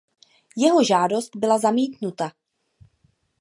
Jeho žádost byla zamítnuta.